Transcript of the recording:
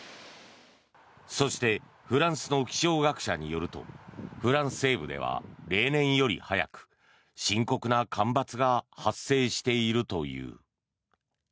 そしてフランスの気象学者によるとフランス西部では、例年より早く深刻な干ばつが発生しているという。